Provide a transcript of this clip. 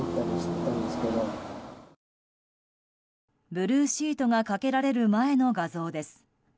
ブルーシートがかけられる前の画像です。